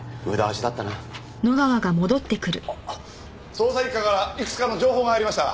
捜査一課からいくつかの情報が入りました。